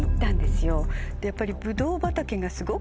やっぱり。